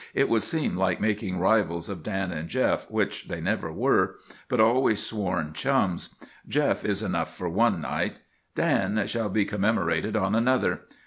"It would seem like making rivals of Dan and Jeff, which they never were, but always sworn chums. Jeff is enough for one night. Dan shall be commemorated on another.